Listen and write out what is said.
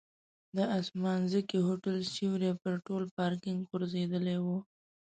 د اسمانځکي هوټل سیوری پر ټول پارکینک غوړېدلی و.